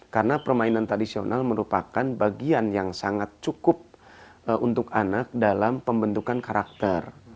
karena permainan tradisional merupakan bagian yang sangat cukup untuk anak dalam pembentukan karakter